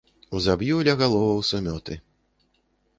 Узаб'ю ля галоваў сумёты.